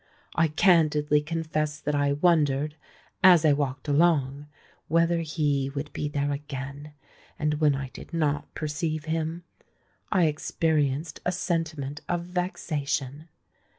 I candidly confess that I wondered, as I walked along, whether he would be there again; and when I did not perceive him, I experienced a sentiment of vexation.